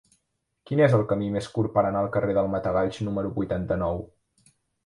Quin és el camí més curt per anar al carrer del Matagalls número vuitanta-nou?